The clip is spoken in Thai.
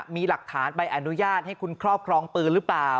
มีหลักฐานใบอนุญาตให้คุณครอบครองปืนหรือเปล่า